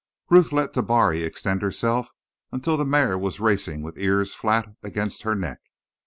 Ruth let Tabari extend herself, until the mare was racing with ears flat against her neck.